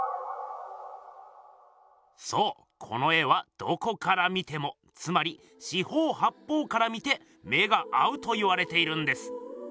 そうこの絵はどこから見てもつまり四方八方から見て目が合うといわれているんです。